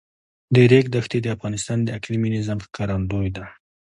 د ریګ دښتې د افغانستان د اقلیمي نظام ښکارندوی ده.